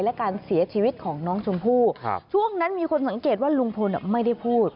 และการเสียชีวิตของน้องชมพู่ช่วงนั้นมีคนสังเกตว่าลุงพลไม่ได้พูด